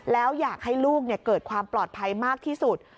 แล้วอยากให้ลูกเกิดความปลอดภัยมากที่สุด